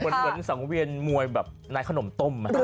เหมือนสังเวียนมวยแบบนายขนมต้ม